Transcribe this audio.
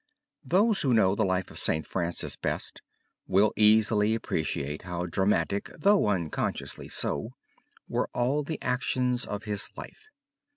Those who know the life of St. Francis best will easily appreciate how dramatic, though unconsciously so, were all the actions of his life.